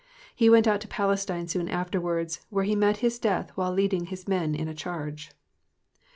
He went out to Palestine soon afterwards, where he met his death while leading his men in a charge.